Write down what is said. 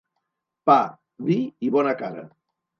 Pa, vi i bona cara.